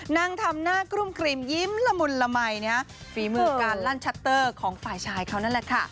นั่งทำหน้ากลุ้มกลิมยิ้มละมุนละมัยฝีมือการลั่นชัตเตอร์ของฝ่ายชายเขานั่นแหละค่ะ